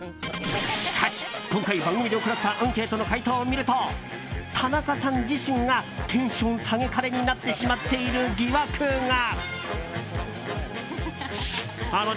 しかし、今回番組で行ったアンケートの回答を見ると田中さん自身がテンション下げ彼になってしまっている疑惑が。